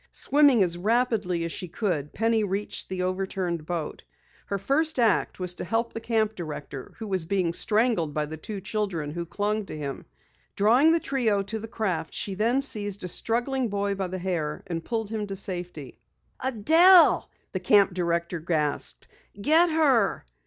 Swimming as rapidly as she could, Penny reached the overturned boat. Her first act was to help the camp director who was being strangled by the two children who clung to him. Drawing the trio to the craft, she then seized a struggling boy by the hair, and pulled him to safety. "Adelle!" the camp director gasped. "Get her!"